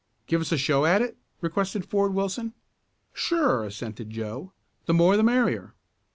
"Give us a show at it?" requested Ford Wilson. "Sure," assented Joe. "The more, the merrier."